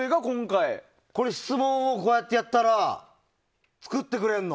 質問をこうやってやったら作ってくれるの？